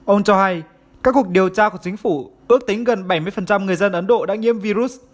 ông cho hay các cuộc điều tra của chính phủ ước tính gần bảy mươi người dân ấn độ đã nhiễm virus